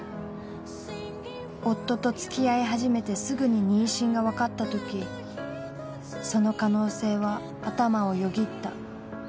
夫と付き合い始めてすぐに妊娠が分かった時、その可能性は頭をよぎった。